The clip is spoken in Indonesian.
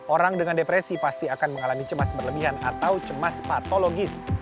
orang dengan depresi pasti akan mengalami cemas berlebihan atau cemas patologis